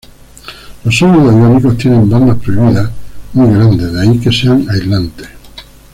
Los sólidos iónicos tienen bandas prohibidas muy grandes, de ahí que sean aislantes.